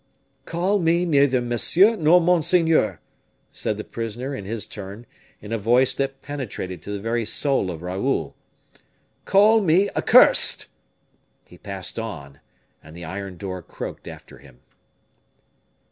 "Call me neither monsieur nor monseigneur," said the prisoner in his turn, in a voice that penetrated to the very soul of Raoul; "call me ACCURSED!" He passed on, and the iron door croaked after him.